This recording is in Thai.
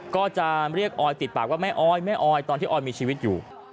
ก็จะเรียกออยติดปากว่าแม่ออยแม่ออยตอนที่ออยมีชีวิตอยู่